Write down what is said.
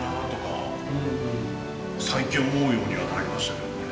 最近思うようにはなりましたけどね。